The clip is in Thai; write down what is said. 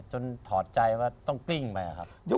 จนถอดใจว่าต้องกลิ้งไป